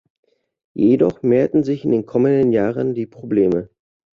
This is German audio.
Jedoch mehrten sich in den kommenden Jahren die Probleme.